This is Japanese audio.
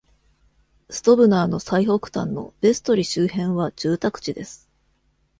ストヴナーの最北端のヴェストリ周辺は住宅地です。